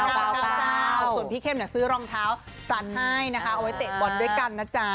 ส่วนพี่เข้มซื้อรองเท้าจัดให้นะคะเอาไว้เตะบอลด้วยกันนะจ๊ะ